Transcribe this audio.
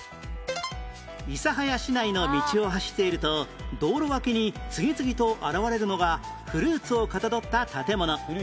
諫早市内の道を走っていると道路脇に次々と現れるのがフルーツをかたどった建物